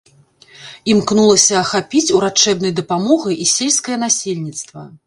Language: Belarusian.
Імкнулася ахапіць урачэбнай дапамогай і сельскае насельніцтва.